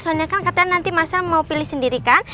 soalnya kan katanya nanti mas al mau pilih sendirikan